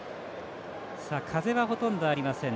風はほとんどありません。